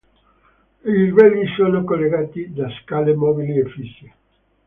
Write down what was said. I livelli sono collegati da scale mobili e fisse.